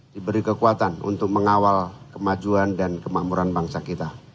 diberi kekuatan untuk mengawal kemajuan dan kemakmuran bangsa kita